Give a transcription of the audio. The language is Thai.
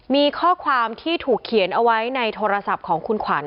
มีข้อความที่ถูกเขียนเอาไว้ในโทรศัพท์ของคุณขวัญ